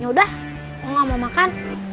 yaudah aku gak mau makan